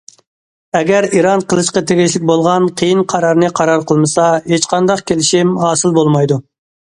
ئەگەر ئىران قىلىشقا تېگىشلىك بولغان قىيىن قارارنى قارار قىلمىسا ھېچقانداق كېلىشىم ھاسىل بولمايدۇ.